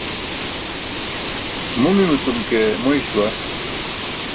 Mumimu cum ke moy śuwa.